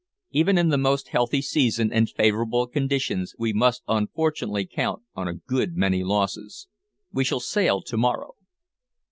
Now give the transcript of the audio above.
Even in the most healthy season and favourable conditions we must unfortunately count on a good many losses. We shall sail to morrow."